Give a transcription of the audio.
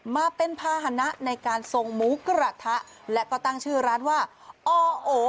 มาเป็นภาษณะในการส่งหมูกระทะและก็ตั้งชื่อร้านว่าอโอ